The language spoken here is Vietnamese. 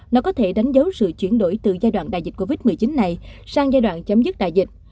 nó có thể đánh dấu sự chuyển đổi từ giai đoạn đại dịch covid một mươi chín này sang giai đoạn chấm dứt đại dịch